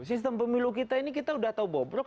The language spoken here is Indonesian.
sistem pemilu kita ini kita udah tahu bobrok